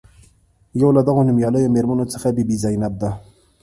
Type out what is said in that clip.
یو له دغو نومیالیو میرمنو څخه بي بي زینب ده.